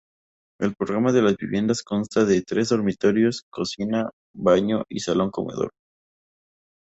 El programa de las viviendas consta de tres dormitorios, cocina, baño y salón-comedor.